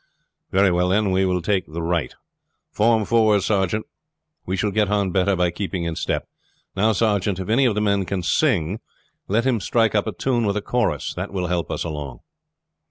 "Very well, then; we will take the right," Ralph said. "Form fours, sergeant. We shall get on better by keeping in step. Now, sergeant, if any of the men can sing let him strike up a tune with a chorus. That will help us along."